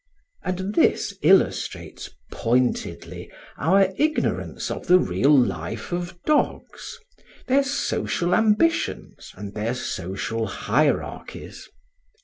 And this illustrates pointedly our ignorance of the real life of dogs, their social ambitions and their social hierarchies.